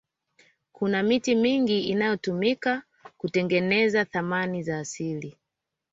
kuna miti mingi inayotumika kutengeneza thamani za asili